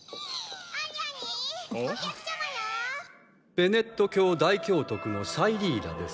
ベネット教大教督のサイリーラです。